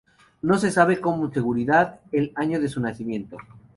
No se sabe con seguridad el año de su nacimiento.